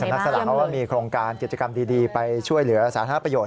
สำนักสลักเขาว่ามีโครงการเกี่ยวกันดีไปช่วยเหลือสาธารณะประโยชน์